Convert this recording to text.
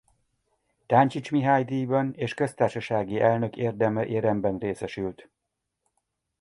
Táncsics Mihály-díjban és Köztársasági Elnök Érdeméremben részesült.